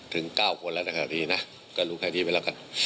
ถึง๙คนแล้วในขณะนี้นะก็รู้แค่นี้ไปแล้วกัน